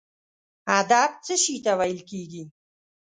ادب څه شي ته ویل کیږي؟